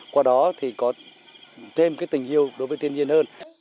qua đó thì có thêm cái tình yêu đối với thiên nhiên hơn